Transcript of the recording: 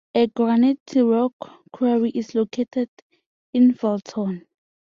A Graniterock quarry is located in Felton.